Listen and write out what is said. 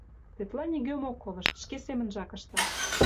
Тетла нигӧм ок колышт, шке семынжак ышта.